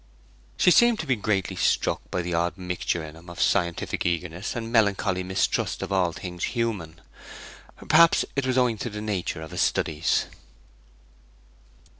She seemed to be greatly struck by the odd mixture in him of scientific earnestness and melancholy mistrust of all things human. Perhaps it was owing to the nature of his studies.